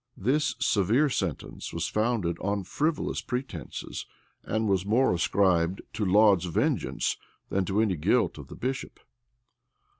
This severe sentence was founded on frivolous pretences, and was more ascribed to Laud's vengeance, than to any guilt of the bishop.